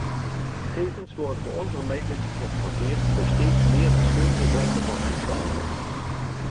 Tevens worden we onvermijdelijk geconfronteerd met steeds meer verschillende vormen van mensenhandel.